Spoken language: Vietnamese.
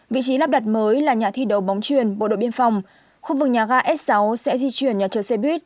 vị trí lắp đặt mới là nhà thi đấu bóng truyền bộ đội biên phòng khu vực nhà ga s sáu sẽ di chuyển nhà chờ xe buýt